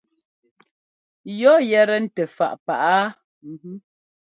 Yɔ yɛ́tɛ́ ntɛ fáʼ pá?